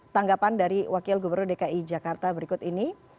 tanggapan dari wakil gubernur dki jakarta berikut ini